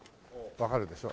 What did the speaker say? わかるでしょ？